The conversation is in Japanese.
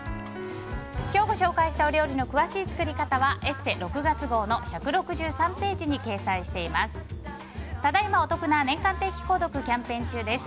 今日ご紹介した料理の詳しい作り方は「ＥＳＳＥ」６月号の１６３ページに掲載しています。